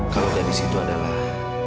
kalau dia disitu adalah